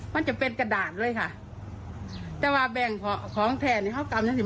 มันจะเป็นกระดาษเลยค่ะแต่ว่าแบ่งของแทนที่เขากำยันสิบ